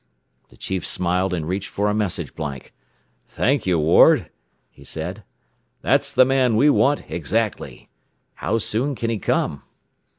The chief smiled and reached for a message blank. "Thank you, Ward," he said. "That's the man we want exactly. How soon can he come?"